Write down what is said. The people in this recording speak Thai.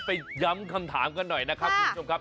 ย้ำคำถามกันหน่อยนะครับคุณผู้ชมครับ